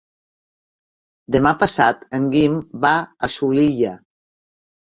Demà passat en Guim va a Xulilla.